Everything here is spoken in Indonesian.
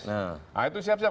nah itu siap siap